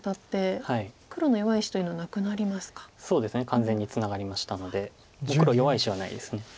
完全にツナがりましたのでもう黒弱い石はないです。